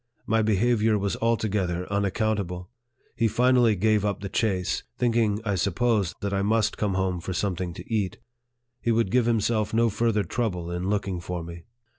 My behavior was altogether unaccountable. He finally gave up the chase, thinking, I suppose, that I must come home for something to eat ; he would give himself no further trouble in looking for me.